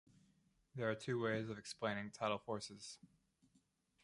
There are two ways of explaining tidal forces.